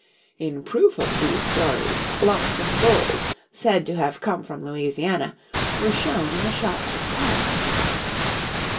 In proof of these stories lumps of gold said to have come from Louisiana were shown in the shops of Paris.